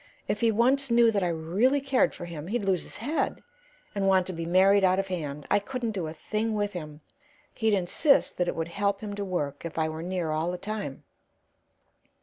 If he once knew that I really cared for him he'd lose his head and want to be married out of hand. I couldn't do a thing with him. He'd insist that it would help him to work if I were near all the time."